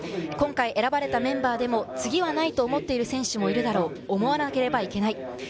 今回、選ばれたメンバーでも次はないと思っている選手もいるだろう、思わなければいけない。